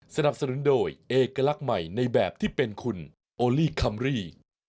สนับสนุนโดยเอกลักษณ์ใหม่ในแบบที่เป็นคุณโอลี่คัมรี่